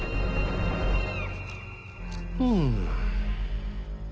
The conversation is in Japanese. うん。